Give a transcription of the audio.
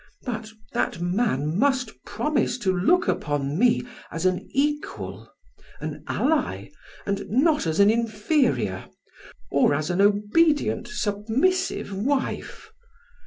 But that man must promise to look upon me as an equal, an ally, and not as an inferior, or as an obedient, submissive wife.